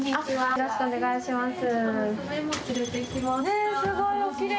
よろしくお願いします。